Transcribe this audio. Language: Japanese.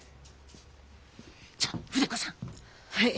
じゃ筆子さん。はい。